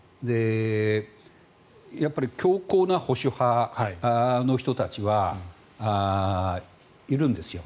やっぱり強硬な保守派の人たちはいるんですよ。